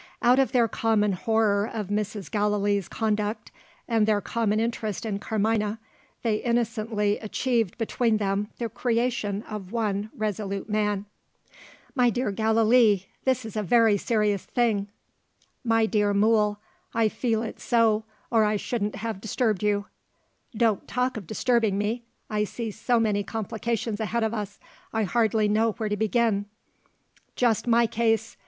Out of their common horror of Mrs. Gallilee's conduct, and their common interest in Carmina, they innocently achieved between them the creation of one resolute man. "My dear Gallilee, this is a very serious thing." "My dear Mool, I feel it so or I shouldn't have disturbed you." "Don't talk of disturbing me! I see so many complications ahead of us, I hardly know where to begin." "Just my case!